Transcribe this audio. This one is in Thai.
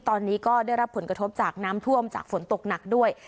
ตอนนี้ก็ได้รับผลกระทบจากน้ำท่วมจากฝนตกหนักด้วย